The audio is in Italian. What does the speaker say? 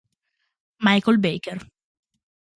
Michael Baker